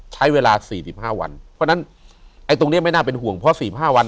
ใช้เวลา๔๕วันเพราะฉะนั้นตรงนี้ไม่น่าเป็นห่วงเพราะ๔๕วัน